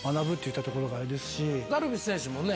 ダルビッシュ選手もね